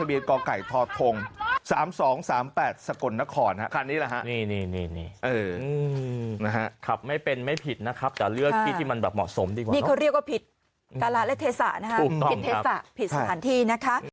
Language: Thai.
นี่เขาเรียกว่าผิดการะและเทศะนะคะผิดเทศะผิดสถานที่นะคะ